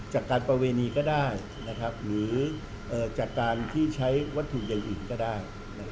การประเวณีก็ได้หรือจากการที่ใช้วัตถุอย่างอื่นก็ได้